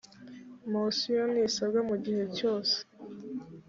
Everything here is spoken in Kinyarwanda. mosiyo ntisabwa mu gihe cyose